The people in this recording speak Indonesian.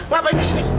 ngapain di sini